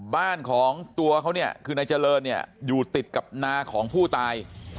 บ้านของตัวเขาคือในเจริญอยู่ติดกับหน้าของผู้ตาย